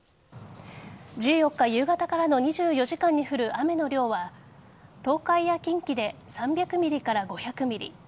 １４日夕方からの２４時間に降る雨の量は東海や近畿で３００ｍｍから５００ｍｍ